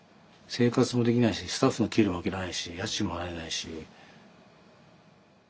生活もできないしスタッフの給料あげられないし家賃も払えないし。